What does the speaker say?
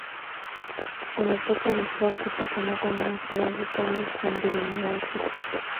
En el techo del pórtico se notan una serie de tondos con divinidades clásicas.